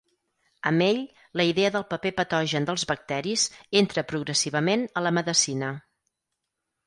Amb ell, la idea del paper patogen dels bacteris entra progressivament a la medecina.